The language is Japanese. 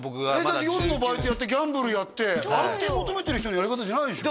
だって夜のバイトやってギャンブルやって安定求めてる人のやり方じゃないでしょ？